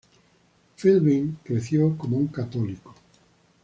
Philbin creció como un católico.